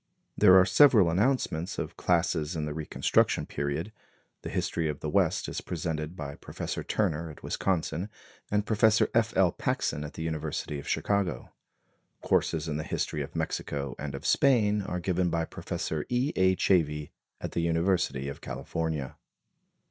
There are several announcements of classes in the Reconstruction period. The history of the West is presented by Professor Turner at Wisconsin, and Professor F. L. Paxson at the University of Chicago. Courses in the history of Mexico and of Spain are given by Prof. E. A. Chavey at the University of California.